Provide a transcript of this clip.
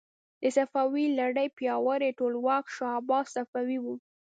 د صفوي لړۍ پیاوړی ټولواک شاه عباس صفوي و.